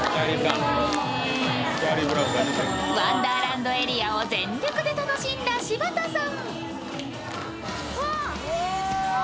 ワンダーランドエリアを全力で楽しんだ柴田さん。